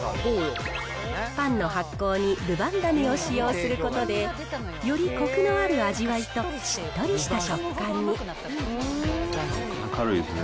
パンの発酵にルヴァン種を使用することで、よりこくのある味わいと、軽いですね。